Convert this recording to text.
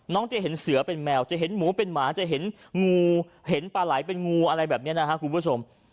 จะเห็นเสือเป็นแมวจะเห็นหมูเป็นหมาจะเห็นงูเห็นปลาไหลเป็นงูอะไรแบบนี้นะครับคุณผู้ชม